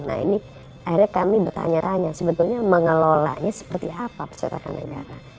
nah ini akhirnya kami bertanya tanya sebetulnya mengelolanya seperti apa peserta negara